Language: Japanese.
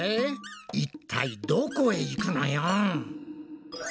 いったいどこへ行くのよん？